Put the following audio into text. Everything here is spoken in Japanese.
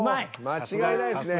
間違いないですね。